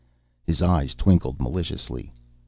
His eyes twinkled maliciously.